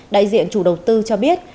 đại diện chủ đầu tư cho biết